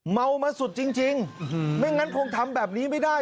เมามาสุดจริงไม่งั้นคงทำแบบนี้ไม่ได้